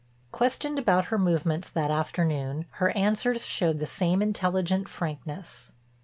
Questioned about her movements that afternoon, her answers showed the same intelligent frankness.